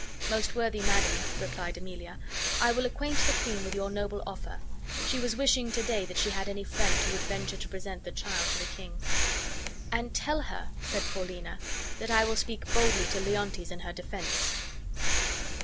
"Most worthy madam," replied Emilia, "I will acquaint the queen with your noble offer. She was wishing to day that she had any friend who would venture to present the child to the king." "And tell her," said Paulina. "that I will speak boldly to Leontes in her defense."